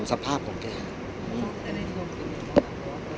พี่อัดมาสองวันไม่มีใครรู้หรอก